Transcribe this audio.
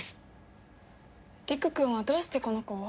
理玖くんはどうしてこの子を？